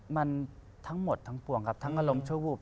มันทั้งหมดทั้งปวงครับทั้งอารมณ์ชั่ววูบ